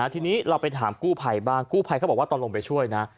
ทีนี้เราไปถามกู้ภัยบ้างกู้ภัยเขาบอกว่าตอนลงไปช่วยนะ